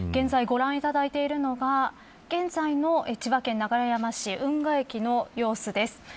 現在ご覧いただいているのが現在の千葉県流山市運河駅の様子です。